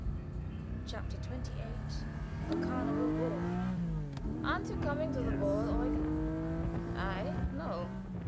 CHAPTER XXVIII. THE CARNIVAL BALL. "Aren't you coming to the ball, Eugen?" "I? No."